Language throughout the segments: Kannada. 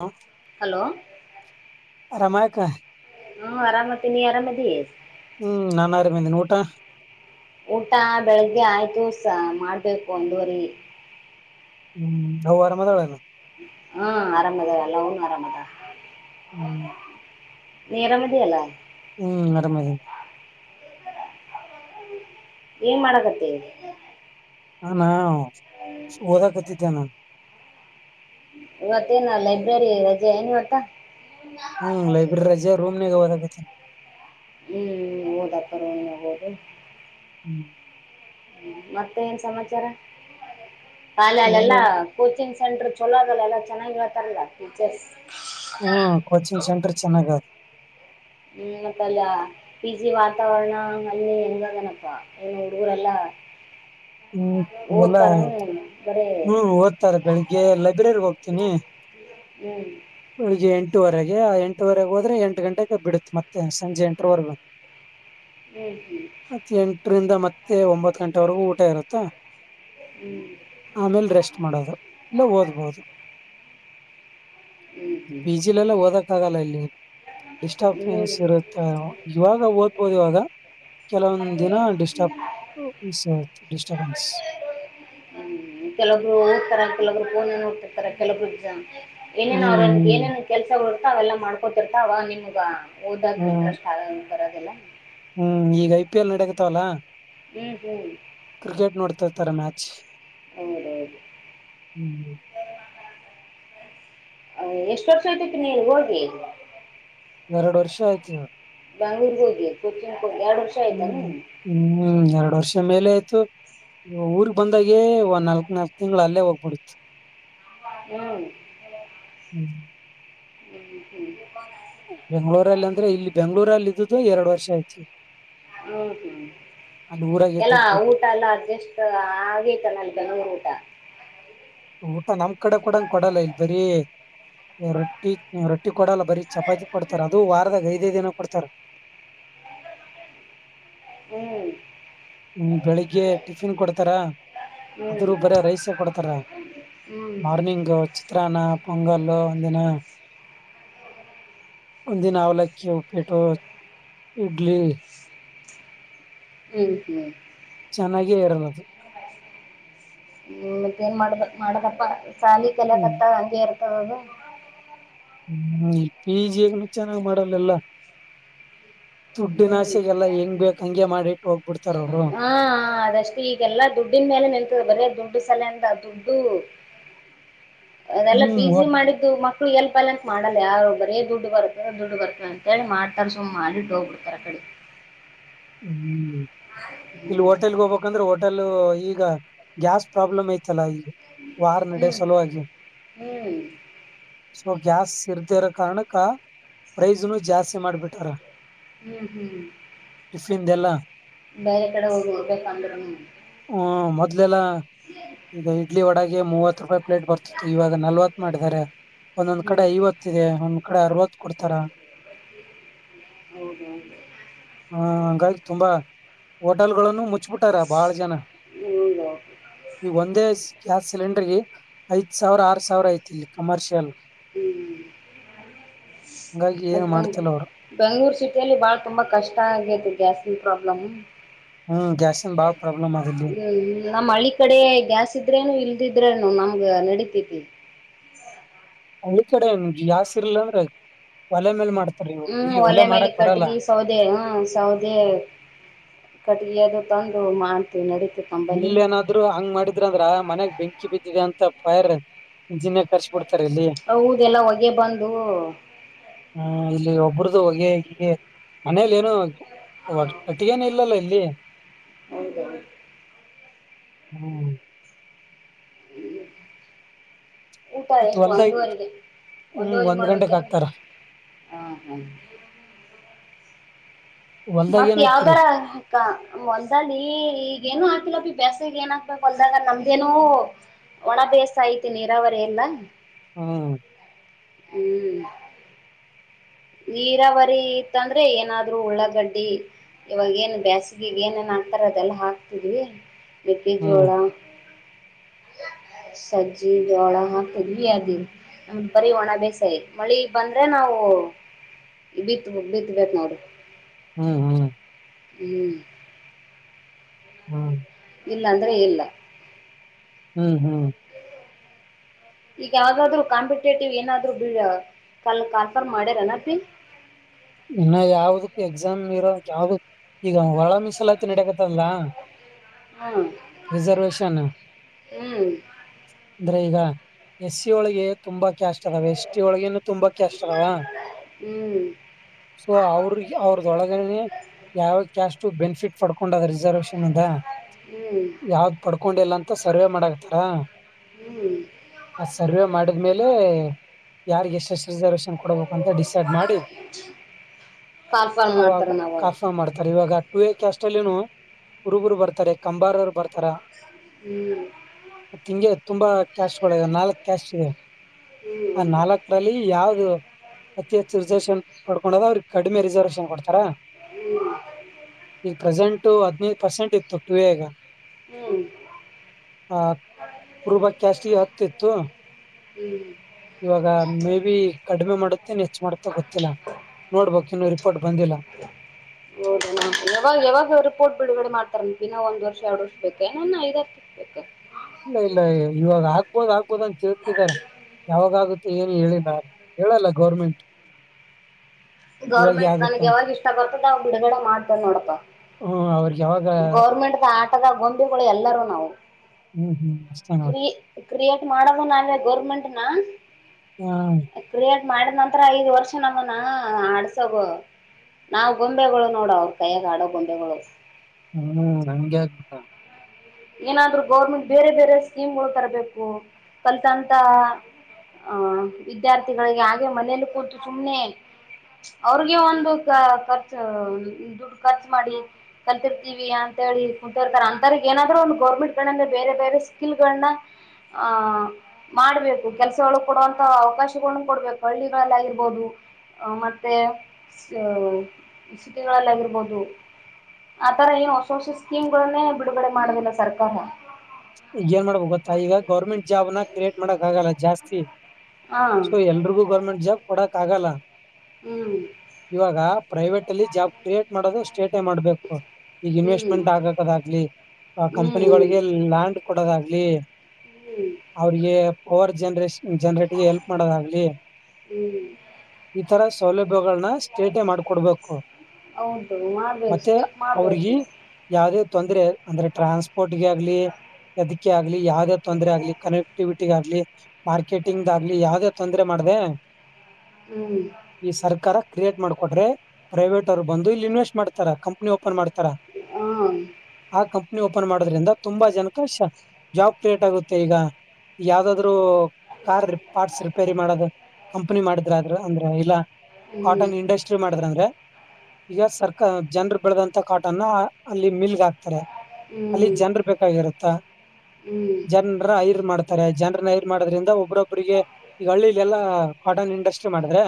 ಹ ಹಲೋ. ಆರಾಮ ಯಕ್ಕ. ಹ್ಮ ಆರಾಮ ಅಪ್ಪಿ ನೀ ಆರಾಮ ಅದೀ. ಹ್ಮ್ ನಾನು ಆರಾಮ್ ಅದೇನಿ ಊಟ. ಊಟ ಬೆಳಗ್ಗೆ ಆಯ್ತು ಸ ಮಾಡ್ಬೇಕು ಒಂದುವರಿ. ಹ್ಮ್ ಅವ್ವ ಆರಾಮ್ ಅದಲ್ ಏನೋ. ಹ್ಮ್ ಆರಾಮದಾಲ ಎಲ್ಲೂ ಆರಾಮದಾಲ. ಹ್ಮ್. ನೀ ಆರಾಮ ಆದಿರ್ ಅಲ್ಲಾ. ಹ್ಮ್ ಆರಾಮ್ ಅದೇನಿ. ಏನ್ ಮಾಡಕತ್ತೀರಿ. ನಾನ ಒಡಕತ್ತಿದೆ ನಾನ್. ಇವತ್ತೆನ ಲೈಬ್ರೆರಿ ರಾಜಾ ಏನ್ ಇವತ್ತ. ಹ್ಮ್ ಲೈಬ್ರರಿ ರಜೆ ರೂಮ್ಗಾಗತ್ತ. ಹ್ಮ್ ಹೋದಾ ಖರೇನ ಅನ್ನೋದು. ಹ್ಮ್. ಮತ್ತೆ ಏನ್ ಸಮಾಚಾರ ಕಾಲ ಅಲ್ಲೆಲ್ಲಾ ಹ್ಮ್ ಕೋಚಿಂಗ್. ಸೆಂಟರ್ ಚಲೋ ಅದೆಲ್ಲ ಎಲ್ಲ ಚೆನ್ನಾಗಿರತಾರಲ್ಲ ಟೀಚರ್ಸ್. ಹ್ಮ್ ಕೋಚಿಂಗ್ ಸೆಂಟರ್ ಚೆನ್ನಾಗದು. ಹ್ಮ್ ಮತ್ತ ಅಲ್ಲ ಪಿ ಜಿ ವಾತಾವರಣ ಅಲ್ಲಿ ಹೆಂಗಗದನಪ್ಪ ಏನು ಹುಡುಗರೆಲ್ಲಾ. ಹ್ಮ್ ಎಲ್ಲ. ಓದ್ತಾರ ಬರೇ ಹ್ಮ್ ಓದ್ತಾರೆ ಬೆಳಿಗ್ಗೆ ಲೈಬ್ರರಿಗ್ ಹೋಗ್ತೀನಿ ಹ್ಮ್ ಬೆಳಗ್ಗೆ ಎಂಟು. ಎಂಟುವರೆಗೆ ಆ ಎಂಟುವರೆಗೆ ಹೋದ್ರೆ ಎಂಟು ಗಂಟೆಗೆ ಬಿಡುತ್ತು ಮತ್ತೆ ಸಂಜೆ ಎಂಟರವರೆಗೂ. ಹ್ಮ್ ಮತ್ತ ಎಂಟರಿಂದ ಮತ್ತೆ ಒಂಬತ್ ಗಂಟೆ. ಗಂಟೆ ಇರುತ್ತ ಹ್ಮ್ ಆಮೇಲೆ ರೆಸ್ಟ್ ಮಾಡೋದು ಇಲ್ಲ ಓದ್ಬಹುದು. ಹ್ಮ್ ಹ್ಮ್ ಹ್ಮ್ ಪಿ ಜಿಲೆಲ್ಲ ಓದಕ್ಕ ಆಗಲ್ಲ ಇಲ್ಲಿ. ಡಿಸ್ಟರ್ಬೆನ್ಸ್ ಇರುತ್ತೆ ಇವಾಗ ಓದ್ಬೋದು ಇವಾಗ. ಕೆಲವೊಂದ್ ದಿನ ಡಿಸ್ಟರ್ಬ್ ಆ. ಹ್ಮ್ ಕೆಲೊಬ್ರು ಓದ್ತಾರ್ ಕೆಲೊಬ್ರು ಕ. ನೋಡ್ತ ಕೆಲ ಏನ್ ಏನ್ ಅವ್ರ ಹ್ಮ್ ಏನ ಏನ್ ಕೆಲಸ ಇರುತ್ತ ಅವೆಲ್ಲಾ ಮಾಡ್ಕೊ. ರ್ತ ಅವ ನಿಮಗ ಹ್ಮ್ ಓದಕು ಹ್ಮ್ ಇಂಟ್ರೆಸ್ಟ್ ಆಗ ಬರೋದಿಲ್ಲ. ಹ್ಮ್ ಈಗ ಐ ಪಿ ಎಲ್ ನಾಡ್ಯಕತ್ತವಲ್ಲ. ಹ್ಮ್ ಹ್ಮ್. ಕ್ರಿಕೆಟ್ ನೋಡ್ತಾರ್ತಾರೆ ಮ್ಯಾಚ್. ಹೌದ ಹೌದು. ಹ್ಮ್ ಅ ಎಷ್ಟ್ ವರ್ಷ [unintelligible] ನೀಲ್ಲಿ ಹೋಗಿ. ಎರಡು ವರ್ಷ ಆಯ್ತಿನಾ ಬಾಂಗಳೂರ್ ಹೋಗಿ ಕೊ ಹ್ಮ್ ಹ್ಮ್ ಎರಡು ವರ್ಷ ಮೇಲೆ ಆ್ತ ಊರ್ಗ್ ಬಂದಾಗೆ ಒಂದ್ ನಾಲ್ಕ್ ನಾಲ್ಕ ತಿಂಗಳು ಅಲ್ಲೇ ಹೋಗ್ಬಿಡ್ ಹ್ಮ್ ಹ್ಮ ಹ್ಮ ಬೆಂಗ್ಗಳೂರಲ್ಲಿ ಅಂದ್ರೆ ಇಲ್ಲಿ ಬೆಂಗ್ಳೂರಲ್ಲಿ ಇದುದುು ಎರಡು ವರ್ಷ ಐತಿ ಹ್ಮ ಹ್ಮ ಎಲ್ಲ ಇದ್ದದ್ ಬಿಟ್ಟು ಊಟ ಎಲ್ಲ ಅಡ್ಜಸ್ಟ್ ಆಗೇತಲ್ಲ ಅಲ್ಲಿನವರು ಊಟ ಊಟ ನಮ್ ಕಡೆ ಕೂಡಂಗ ಕೊಡಲ್ಲ ಇಲ್ ಬರಿ ರೊಟ್ಟಿ ರೊಟ್ಟಿ ಕೊಡಲ್ಲ ಬರೀ ಚಪಾತಿ ಕೊಡ್ತಾರ ಅದು ವಾರದಾಗ ಐದೇ ದಿನ ಕೊಡ್ತಾರ ಹ ಹ್ಮ್ ಹ್ಮ ಬೆಳಿಗ್ಗೆ ಟಿಫಿನ್ ಕೊಡ್ತಾರ ಹ್ಮ್ ಆದದ್ರೂ ಬರ ರೈಸೇ ಕೊಡ್ತಾರ ಹ್ಮ್ ಮಾರ್ನಂಗ್ ಚಿತ್ರಾನ್ನ ಪೊಂಗಲು ಅಂದಿನ ಒಂದಿನ ಅವಲಕ್ಕಿ ಉಪೇಟೋ ಇಡ್ಲಿ ಹ್ಮ್ ಹ್ಮ ನನಾಗೇ ಇರೋದು ಹ್ಮ ಮತ್ತೇನ್ ಮಾಡಬ ಮಾಡದಪ್ಪ ಸಾಲಿ ಕಲ ಹ್ಮ್ ಕತ್ತ ಹಾಗೆರ್ ಹೌದಾ ಹ್ಮ್ ಪಿ ಜಿಗ್ ಚೆನ್ನಾಗ್ ಮಾಡಲ್ಲ ಹ್ಮ್ ದುಡ್ಡಿನಸೆ ಗೆಲ್ಲ ಹೆಂಗ ಬೇಕಕ್ ಹಂಗೆ ಮಾಡ ಹಾ ಅದಷ್ಟೇ ಈಗೆಲ್ಲಾ ದುಡ್ಡನ್ ಮೇಲೆ ನಿಲ್ತದೆ ಬರೇ ದುಡ್ಡು ಸಲೆಯಿಂದ ದುಡ್ಡು ಅದೆಲ್ಲ ಹ್ಮ್ ಪಿ ಜಿ ಒಟ್ ಮಾಡಿದ್ದು ಮಕ್ಕ ಇ ಎಲ್ ಪಲ್ಂಕ್ ಮಾಡಲ್ಲ ಯಾರ ಬರೇ ದುಡ್ಡು ಬರುತ್ತ ದುಡ್ಡು ಬರ್ತ ಅಂತ ಹೇಳಿ ಮಾಡ್ತಾರ ಸುಮ ಮಾಡಿಟ್ಟ ಹೋಗಬ ಕರಕಡಿ ಹ್ಮ್ ಇಲ್ಲಿ ಹೋಟೆಲ್ಗೆ ಹೋಗ್ಬೇಕಂದ್ರೆ ಹೋಟೆಲ್ ಈಗ ಗ್ಯಾಸ್ ಪ್ರಾಬ್ಲಮ್ ಐತಲ್ಲಾ ಈ ವಾರ್ ನಡೆೆಯ ಸಲೋ ಆಗಿ ಹ್ಮ್ ಗ್ಯಾಸ್ ಇರ್ದಿರ ಕಾರಣಕ್ಕ ಪ್ರೈಸ್ನು ಜಾಸ್ತಿ ಮಾಡ್ಬಿಟ್ಟಾರ ಹ್ಮ್ ಹ್ಮ್ ಇಷ್ಟಿಂದೆಲ್ಲ ಬೇರೆ ಕಡೆ ಹೋಗಿ ಹೋಗ್ಬೇಕಂದ್ರು ಹ್ಮ ಮೊದ್ಲೆಲ್ಲಾ ಈಗ ಇಡ್ಲಿ ಒಡಗೆ ಮೂವತ್ತು ರೂಪಾಯಿ ಪ್ಲೇಟ್ ಬರ್ತಿತ್ತು ಇವಾಗ ನಲ್ವತ್ ಮಾಡಿದಾರೆ ಒಂದೊಂದ್ ಕಡೆ ಹ್ಮ್ ಐವತ್ತ ಇದೆ ಒಂದ್ ಕಡೆ ಅರವತ್ತು ಕೊಡ್ತಾರ ಹೌದಾ ಹೌದು ಆ ಹಂಗಾಗಿ ತುಂಬಾ ಹೋಟೆಲ್ ಗಳನ್ನು ಮುಚ್ಬಿಟ್ಟಾರ ಬಾಳ ನ ಹೌದೌದು ಈ ಒಂದೇ ಗ್ಯಾಸ್ ಸಿಲೆಂಡರ್ ಇಲ್ಲಿ ಐದ್ ಸಾವಿರ ಆರ್ ಸಾವಿರ ಐತಿ ಇಲ್ಲಿ ಕಮರ್ಷಿಯಲ್ ಹ್ಮ್ ಹಂಗಾಗಿ ಏನು ಮತ್ತೆ ತುಾ ಮಾಡ್ತಿಲ್ಲ ಅವ್ರು ಬೆಂಗಳೂರು ಸಿಟಿಯಲ್ಲಿ ಬಾಳ ತುಂಬಾ ಕಷ್ಟ ಆಗೇತಿ ಗ್ಯಾಸ್ ಈ ಪ್ರಾಬ್ಲಮ್ ಮ್ ಹ್ಮ್ ಗ್ಯಾಸಿನ ಬಾಳ ಪ್ರಾಬ್ಲಮ್ ಅದ ಇಲ್ಲಿ ನಮ್ಮ್ ಹಳ್ಳಿ ಕಡೆ ಗ್ಯಾಸ್ ಇದ್ರೇನು ಇಲ್ದಿದ್ರೇನು ನಮ್ಗ ನಡಿತತಿ ಹಳ್ಳ ಕಡೆನ್ಗೆ ಜಾಸ್ ಇರ್ಲ ಅಂದ್ರೆ ಒಲೆ ಮೇಲ್ ಮಾಡ್ತ ಹ್ಮ್ ಒಲೆ ಮೇಲೆ ಕಟ್ಟಗಿ ಸೌದೆ ಹ್ಮ ಸೌದೆ ಕಟ್ ದು ತಂದು ಮಾಡ್ತೀವಿ ನಡ ಇಲ್ಲೇಏನಾದ್ರು ಹಂಗ್ ಮಾಡಿದ್ರ ಅಂದ್ರ ಮನೆಗ್ ಬೆಂಕಿ ಬಿದ್ದಿ ತಪ್ಪಾದ್ರೆ ಇಂಜಿನನ್ ಕರ್ಸ ಬಿಡ್ ಇರ್ತರೆ ಹೌದೆಲ್ಲ ಹೊಗೆ ಬಂದು ಹ ಇಲ್ಲಿ ಒಬ್ರದು ಹಗೆಗೆ ಮನೇಲಿ ಏನು ಕಟ್ಟಿಗೆೇನು ಇಲ್ಲಲ್ಲ ಇಲ್ಲಿ ಹೌದಾ ಹ್ಮ್ ಹ್ಮ ಊಟ ಮತ್ ಎಷ್ಟು ಹೊಲ್ದಾಗ ಒಂದೂುವರೆಗೆ ಹ್ಮ್ ಒಂದುವರೆ ಒಂದ್ ಗಂಟೆಕ್ ಮಾಡ್ಬೇಕಲ್ಲ ಹಾಕ್ತಾರ ಹ್ಮ ಹ್ಮ ಹೊಲ್ದಾಗ ಮತ್ತತ್ ಏನ್ ಹಾಕಿರಿ ಯಾವ್ದರ ಕ ಒಂದಲ್ಲಿ ಈಗೇಏನು ಹಾಕಿಲ್ಲ ಬಿ ಬ್ಯಸಗ ಏನ್ ಹಾಕ್ಬೇಕು ಒಂದಾಗ ನಮ್ದೇನೋ ಒಣ ಬೇಸ ಐತಿ ನೀರಾವರಿ ಎಲ್ಲಾ ಹ್ಮ್ ಹ್ಮ್ ನೀರಾವರಿ ಇತ್ತಂದ್ರೆ ಏನಾದ್ರು ಉಳ್ಳಾಗಡ್ಡಿ ಇವಾಗ ಏನ್ ಬೇಸಿಗೆ ಏನೇನ್ ಹಾಕ್ತಾರ ಅದೆಲ್ಲಾ ಹಾಕ್ತಿದೀವಿ ಲಿಕ್ಕಿ ಹ್ಮ್ ಜೋಳ ಸಜ್ಜಿ ಜೋಳ ಹಾಕ್ತದ್ವಿ ಅದಿ ಬರಿ ಒಣ ಬೇಸಾಯ ಮಳಿ ಬಂದ್ರೆ ನಾ ಬಿತ್ ಬಿತ್ ಬಿತ್ ನೋಡಿ ಹ್ಮ್ ಹ್ಮ್ ಹ್ಮ್ ಹ್ಮ್ ಇಲ್ಲ ಅಂದ್ರೆ ಇಲ್ಲ ಹ್ಮ್ ಹ್ಮ್ [inaudible] ಈಗ ಯಾವ್ದಾದ್ರು ಕಾಂಪಿಟೇಟಿವ್ ಏನಾದ್ೂ ಬ ಕಲ್ ಕನ್ಫರ್ ಮಾಡ್ಯಾರನಪ ಇನ್ನ ಯಾವದಕ್ ಎಕ್ಸಾಮ್ ಇರೋ ಯಾವ್ದ ಈಗ ಒಳ ಮೀಸಲಾತಿ ನಡಕ ಹ್ಮ್ ಿಸರ್ವಷನ್ ಹ್ಮ್ ಅಂದ್ರೆ ಈಗ ಎಸ್ ಸಿ ಒಳಗೆ ತುಂಬಾ ಕಷ್ಟ ಅದಾವ ಎಷ್ಟಿ ಒಳಗನುೂ ತುಂಬಾ ಕೆಸ್ ಅದಾವ ಹ್ಮ್ ಸೊ ಅವ್ರಿಗೆ ಅವ್ರದೊಳಗನೆ ಯಾವಷ್ಟು ಬೆನಿಫಿಟ್ ಪಡ್ ಕೊಂಡದ ರಿಸರ್ವೇಶನ್ ಇಂದ ಹ್ಮ್ ಯಾವ್ದ್ ಪಡ್ಕೊಂಡಿಲ್ಲ ಅಂತ ಸರ್ವೆ ಮಾಡಕ್ತಾರ ಹ್ಮ್ ಆ ಸರ್ವೆ ಮಾಡಿದ್ಮೇಲೆ ಯಾರ್ಗ್ ಎಷ್ಟ ಎಷ್ಟು ರಿಸರ್ವೇೇಶನ್ ಕೊಡಬೇಕು ಅಂತ ಡಿಸೈಡ್ ಮಾಡಿ ಕಾಲ್ಫಾಲ್ ಅವಾಗ ಮಾಡ್ತಾರ ನಾವು ಕಾಸ ಮಾಡ್ತಾರೆ ಇವಾಗ ಈಗ ಟು ಎ ಕೆ ಅಷ್ಟಲ್ಲಿ ನು ಕುರುಬರು ಬರ್ತಾರೆ ಕಂಬಾರರು ಬರ್ತಾರೆ ಹ್ಮ್ ಮ ಹಿಂಗೆ ತುಂಬಾ ಕ್ಯಾಶ್ಗಳ ನಾಲ್ಕಕ್ ಕ್ಯಾಶ್ ಇದೆ ಆ ಹ್ಮ್ ನಾಲ್ಕರಲ್ಲಿ ಯಾವ್ದು ಅತಿ ಹೆಚ್ಚುರ್ ಜಶಂ ೊಂಡ ಅವಿಗೆ ಕಡಿಮೆ ರಿಸರ್ವೇಶನ್ ಕೊಡ್ತಾರ ಹ್ಮ್ ಈಗ ಪ್ರೆಸೆಂಟ್ ು ಹದಿನೈದು ಪರ್ಸೆಂಟ್ ಇತ್ತು ಟುವೇ ಈಗ ಹ್ಮ್ ಆ ರೂಬ ಕ್ಯಾಶಿಗೆ ಹತ್ತ ಇತ್ತು ಹ್ಮ್ ಇವಾಗ ಮೇ ಬಿ ಕಡಿಮೆ ಮಾಡುತ್ತೆ ನೆಚ್ಚ ಮಾಡುತ್ತೆ ಗೊತ್ತಿಲ್ಲ ನೋಡ್ಬಕ್ ಇನ್ನುೂ ಪಟ್ಬಂಧಲ್ಲ ಹೌದ ನ ಯಾವಾಗ ಯಾವಾಗ ರಿಪೋರ್ಟ್ ಬಿಡುಗಡೆ ಮಾಡ್ತಾರೆ ನ ಒಂದ್ ವರ್ಷ ಎರಡು ವರ್ಷ ಬೇಕ ಏನ ಇದತಿ ಇಲ್ಲ ಇಲ್ಲ ಇವಾಗ ಆಗ್ಬೋದ ಆಗ್ಬೋದ ಅಂತ ಕೇಳ್ತಿದಾರ ಯಾವಾಗಾಗುತ್ತೆ ಏನು ಹೇಳಿಲ್ಲ ಹೇಳಲ್ಲ ಗೌರ್ಮೆಂಟ್ ಇವಾಗೆ ಗೌರ್ಮೆಂಟ್ ಆಗುತ್ತ ನನಗೆ ಅಂತ ಯಾವಾಗ ಇಷ್ಟ ಬರ್ತದ ನ್ ಬಿಡುಗಡೆ ಮಾಡ್ತೇ ನೋಡಪ್ಪ ಹ್ಮ ಅವ್ರ ಗೌರ್ಮೆಂಟ್ ದ ಆಟದ ಗೊಂದೆಗಳು ಎಲ್ಲಾರೂ ನಾವು ಹ್ಮ್ ಹ್ಮ್ ಅಷ್ಟೇ ಕ್ರ ನೋಡಿ ಕ್ರಿಯೇಟ್ ಮಾಡವ ನಾವೆ ಗೌರ್ಮೆಂಟ್ನ ಹ್ಮ ಕ್ರಿಯೇಟ್ ಮಾಡಿದ ನಂರ ಐದ್ ವರ್ಷ ನಮ್ಮನ ಆಡ್ಸೋಗ ನಾವವು್ ಗೊಂಬೆಗಳು ನೋಡು ಅವ್ರ ಕೈಯಗ ಆಡೋ ಗೊಂಬೆಗಳು ಹ್ಮ್ ಹಗೆ ಬಿಟ ಏನಾದ್ರು ಗೌರ್ಮೆಂಟ್ ಬೇರೆ ಬೇರೆ ಸ್ಕೀಮ್ ಗಳು ತರಬೇಕು ಕಲ್ತಂತ ಹ ವಿದ್ಯಾರ್ಥಿಗಳಿಗೆ ಹಾಗೆ ಮನೇಲಿ ಕೂತು ಸುಮ್ನೆ ಅವ್ರಿಗೆ ಒಂದು ಖರ್ಚು ದುಡ್ಡು ಖರ್ಚು ಮಾಡಿ ಕಲ್ತಿರ್ತೀವಿ ಅಂತ ಅಂತ ಹೇಳಿ ಕುಂತ ಇರ್ತಾರೆ ಅಂತ ಏನಾದ್ರು ಒಂದು ಗೌರ್ಮೆಂಟ್ಗಳಂದ್ರೆ ಬೇರೆ ಬೇರೆ ಸ್ಕಿಲ್ಗಳನ್ನ ಆಹ ಮಾಡ್ಬೇಕು ಕೆಲ್ಸಗಳು ಕೊಡುವಂತ ಅವಕಾಶಗಳನ್ನ ಕೊಡ್ಬೇಕು ಹಳ್ಳಿಗಳಗಳಲ್ಲಿಗಿರ್ಬೋದು ಅ ಮತ್ತೆ ಸತಿಗಳಲ್ಲಾಗಿರ್ಬೋದು ಆತರ ಏನು ಹೊಸ ಹೊಸ ಸ್ಕೀಮ್ ಗಳನ್ನೇ ಬಿಡುಗಡೆ ಮಾಡದಿಲ್ಲ ಸರ್ಕಾರ ಈಗ ಏನ್ ಮಾಡ್ಬ ಗೊತ್ತಾ ಈಗ ಗೌರ್ಮೆಂಟ್ ಜಾಬ್ನ ಕ್ರಿಯೇಟ್ ಮಾಡಕ್ ಆಗಲ್ಲ ಜಾಸ್ತಿ ಹಾ ಹ್ಮ್ ಸೊ ಎಲ್ರಿಗೂ ಗೌರ್ಮೆಂಟ್ ಜಾಬ್ ಕೊಡಕ್ ಆಗಲ್ಲ ಹ್ಮ್ ಇವಾಗ ಪ್ರೈವೇಟ್ ಅಲ್ಲಿ ಜಾಬ್ ಕ್ರಿಯೇಟ್ ಮಾಡೋದು ಸ್ಟೇಟೇ ಮಾಡ್ಬೇಕು ಈಗ ಇನ್ವೆಸ್ಟ್ಮೆಂಟ್ ಆಗಕದಾಗಗ್ಲಿ ಆ ಹ್ಮ್ ಹ್ಮ್ ಕಂಪನಿಗಳಿಗೆ ಲ್ಯಾಂಡ್ ಕೊಡೋದಾಗಲಿ ಅವ್ರಿಗೆ ಪವರ್ ಜನರೇಷ ಜನ್ರಟ್ಟಿಗೆ ಎಲ್ಪ್ ಮಾಡೋದ ಆಗಲಿ ಹ್ಮ್ ಹ್ಮ್ ಈತರ ಸೌಲಭ್ಯಗಳನ್ನ ಸ್ಟೇಟೇ ಮಾಡಕೊಡ್ಬೇಕು ಹೌದು ಮಾಡ್ಬೇಕು ಮತ್ತೆ ಸ್ಟೇಟ್ ಅವ್ರಗಿ ಮಾಡ್ಬೇಕು ಯಾವದೇ ತೊಂದ್ರರೆ ಅಂದ್ರೆ ಟ್ರಾನ್ಸ್ಪೋರ್ಟ್ಗೆ ಅದಕ್ಕೆ ಆಗಲಿ ಯಾವದ ತೊಂದರೆ ಆಗ್ಲಿ ಕನೆಕ್ಟಿವಿಟಿ ಲಿ ಮಾರ್ಕೆಟಿಂಗ್ಗಲಿ ಯಾವ್ದೇ ತೊಂದರೆ ಮಾಡ್ದ ಹ್ಮ್ ಈ ಸರ್ಕಾರ ಕ್ರಿಯೇಟ್ ಮಾಡ ಕೊ್ರೆ ಪ್ರೈವೇಟ್ ಅವ್ರು ಬಂದು ಇಲ್ಲಿ ಇನ್ವೆಸ್ಟ್ ಮಾಡ್ತ ಕಂಪನಿ ಮಾಡ್ತಾರ ಹಾ ಹ್ಮ್ ಆ ಕಂಪನಿ ಓಪನ್ ಮಾಡೋದ್ರಿಂದ ತುಂಬಾ ಜನ ಕಶ ಜಾಬ್ ಲೇಟ್ ಆಗುತ್ತೆ ಈಗ ಯಾವ್ದಾದ್ರು ಕಾರ್ ಪಾರ್ಟ್ಸ್ ರಿಪೇರಿ ಮಾಡದು ಕಂಪನಿ ಮಾಡಿದ್ರ್ರ ಅಂದ್ರೆ ಇಲ್ಲ ಹ್ಮ್ ಕಾಟನ್ ಇಂಡಸ್ಟ್ರಿ ಮಾಡಿದ್ರ ಅಂದ್ರೆ ಈಗ ಸರ್ಕ ಜನರು ಬೆಳದಂತ ಕಾಟನ್ನ ಅಲ್ಲಿ ಮಿಲ್ಗೆ ಹಾಕ್ತಾರೆ ಅಲ್ಲಿ ಹ್ಮ್ ಜನ್ರ ಬೇಕಾಗಿರುತ್ತ ಹ್ಮ್ ಜನ್ರ ಐರ್ ಮಾಡ್ತಾರೆ ಜನ್ರೈ ಮಾಡದ್ರಿಂದ ಒಬ್ಬ್ರೊಬ್ಬ್ರಿಗೆ ಈಗ ಹಳ್ಳಿಲಿ ಎಲ್ಲಾ ಕಾಟನ್ ಇಂಡಸ್ಟ್ರಿ ಮಾಡಿದ್ರೆ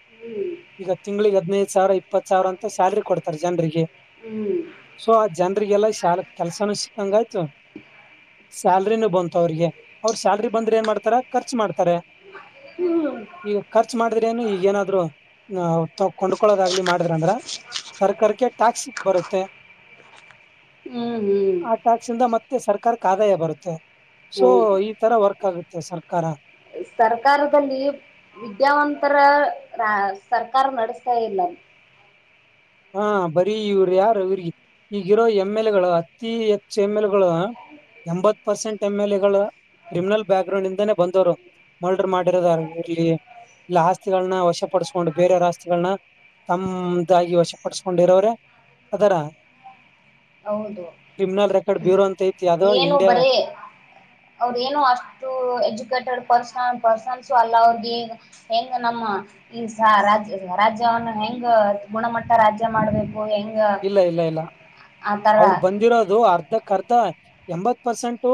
ಹ್ಮ್ ಈಗ ತಿಂಗಳಿಗೆ ಹದ್ನದು ಸಾವಿರ ಇಪ್ಪತ್ ಸಾವಿರ ಅಂತ ಸ್ಯಲ್ರಿ ಕೊಡ್ತಾರೆ ಜನರಿಗೆ ಹ್ಮ್ ಜನ್ರಿಗೆಲ್ಲಾ ಶಾಲ ಕೆಲ್ಸಾನೂ ಸಿಕ್ಕಂಗ ಆಯ್ತು ಸ್ಯಾಲ್ರಿನೂ ಬಂತು ಅವ್ರಿಗೆ ಅವ್ರ ಸ್ಯಾಲ್ರಿ ಬಂದ್ರೆ ಏನ್ ಮಾಡ್ತಾರ ಖರ್ಚು ಮಾಡ್ತಾರೆ ಈಗ ಖರ್ಚ ಮಾಡಿದ್ರ ಏನು ಈಗ ಏನಾದ್ರು ಕೊಂಡ್ಕೊಳೋದಾಗ್ಲಿ ಮಾಡಿದ್ರಂದ್ರ ಸರ್ಕಾರಕ್ಕೆ ಟ್ಯಾಕ್ಸ್ ಬರುತ್ತೆ ಹ್ಮ್ ಹ್ಮ್ ಆ ಟ್ಯಾಕ್ಸ್ ಮತ್ತೆ ಸರ್ಕಾರಕ್ಕೆ ಆದಾಯ ಬರುತ್ತೆ ಸೊ ಹೌದು ಈ ತರ ವರ್ಕ್ ಆಗುತ್ತೆ ಸರ್ಕಾರ ಸರ್ಕಾರದಲ್ಲಿ ವಿದ್ಯಾವಂತರ ಸರ್ಕಾರ ನಡೆಸ್ತಾ ಇಲ್ಲ ಹಾ ಬರಿಇವ್ರ ಯಾರು ಇವ್ರಿಗೆ ಈಗಿರೋ ಎಮ್ ಎಲ್ ಎಗಳು ಅತಿೀ ಹೆಚ್ಚು ಎಮ್ ಎಲ್ಗಳು ಎಂಬತ್ ಪರ್ಸೆಂಟ್ ಎಮ್ ಎಲ್ ಎ ಗಳು ಕ್ರಿಮಿನಲ್ ಬ್ಯಾಕ್ ಗ್ರೌಂಡ್ ಇಂದಾನೇ ಬಂದವರು ಮರ್ಡ್ರ ಮಾಡಿರೋದಾರ್ ಇರ್ಲಿ ಇಲ್ಲ ಆಸ್ತಿಗಳನ್ನ ವಶಪಡಿಸಕೊಂಡು ಬೇರೆಯವರ ಆಸ್ತಿಗಳನ್ನ ತಮ್ದಾಗಿ ವಶ ಪಡ್ಸ್ಕೊಂಡಿರೋರೆ ಅದರ ಹೌದು ಕ ಬ್ಯೂರ ಅಂತ ಐತಿ ಯಾವ್ದೋ ಏನು ಇಂಡಿಯಾ ಬರೀ ಅವ್ರ ಏನು ಅಷ್ಟು ಎಜುಕೇಟೆಡ್ ಪ ಪಶನ್ಸು ಅಲ್ಲ ಅವ್ರಿಗೆ ಹೆಂಗ ನಮ್ಮ ಈ ರಾಜ್ಯ ರಾಜ್ಯವನ್ನು ಹೆ ಹೆಂಗ ಗುಣಮಟ್ಟ ರಾಜ್ಯ ಮಾಡ್ಬೇಕು ಹೆಂಗ ಇಲ್ಲ ಇಲ್ಲ ಇಲ್ಲ ಆತರ ಅವರು ಬಂದಿರೋದು ಅರ್ಧಕ್ ಅರ್ಧ ಎಂಬತ್ ಪರ್ಸೆಂಟ್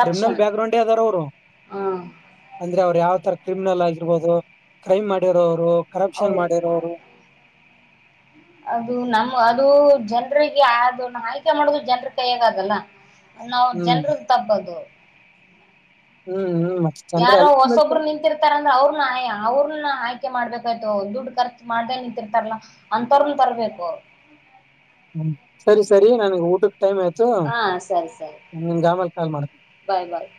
ಕ್ರಿಮಿನಲ್ ಬ್ಯಾಕ್ ಗ್ರೌಂಡ್ ಅದಾರ ಅವರು ಹ ಅಂದ್ರೆ ಅವ ಯಾವ ಆಥರ ಕ್ರಿಮಿನಲ್ ಆಗಿರ್ಬೋದು ಕ್ರೈಮ್ ಮಾಡಿರೋರು ಕರಪ್ಷನ್ ಮಾಡಿರೋರು ಅದು ನಮ್ಮ ಅದು ಜನ್ರಿಗೆ ಅದು ಆಯ್ಕೆ ಮಾಡುದು ಜನ್ರ ಕೈ್ಯಗದಲ್ಲ ನಾವು ಹ್ಮ್ ಜನ್ರಲ್ ತಬ್ಬದು ಹ್ಮ್್ಮ್ ಯಾರೋ ಹೊಸೊಬ್ರು ನಿಂತಿರ್ತಾರಂದ್ರ ಅವ್ರ ನ ಅವ್ರ ಆಯ್ಕೆ ಮಾಡ್ಬೇಕಾಯ್ತು ದುಡ್ ಖರ್ಚು ಮಾಡ್ದೇ ನಿಂತಿರ್ತಾರಾ ಅಂತರ್ನ್ ತರ್ಬೇಕು ಹ್ಮ್ ಸರಿ ಸರಿ ನನಗೆ ಊಟ ಟೈಮ್ ಆಯ್ತು ಹಾ ಸರಿ ಸರಿ ನಿಮ ಗಾಮಲ್ ಕಾಲ್ ಮಾಡ ಬಾಯ್ ಬಾಯ್